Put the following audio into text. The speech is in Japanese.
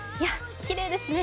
きれいですね。